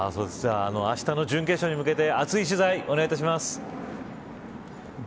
あしたの準決勝に向けて熱い取材、お願いします。